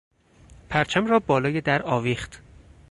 پرچم را بالای در آویخت.